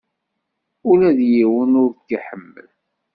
Ula d yiwen ur t-iḥemmel.